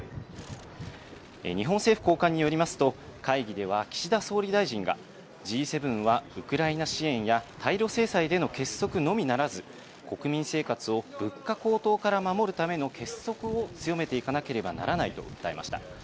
日本政府高官によりますと、会議では岸田総理大臣が、Ｇ７はウクライナ支援や対ロ制裁での結束のみならず、国民生活を物価高騰から守るための結束を強めていかなければならないと訴えました。